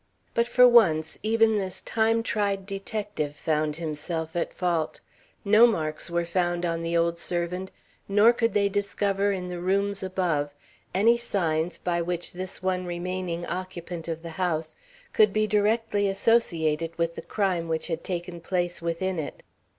But for once even this time tried detective found himself at fault. No marks were found on the old servant, nor could they discover in the rooms above any signs by which this one remaining occupant of the house could be directly associated with the crime which had taken place within it.